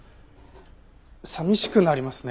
寂しくなりますね。